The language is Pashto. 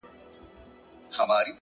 خپل مسیر د حقیقت په رڼا برابر کړئ’